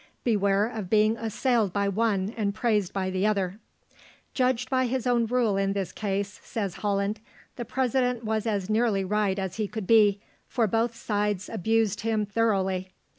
Beware of being assailed by one and praised by the other." Judged by his own rule in this case, says Holland, the President was as nearly right as he could be, for both sides abused him thoroughly.